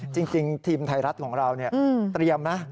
จริงทีมไทยรัฐของเราเตรียมนะ